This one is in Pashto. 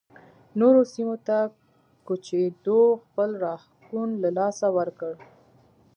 نورو سیمو ته کوچېدو خپل راښکون له لاسه ورکړ